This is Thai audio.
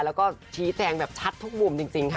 แล้วก็ชี้แจงแบบชัดทุกมุมจริงค่ะ